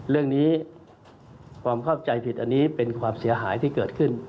เรื่องนี้ความเข้าใจผิดอันนี้เป็นความเสียหายที่เกิดขึ้น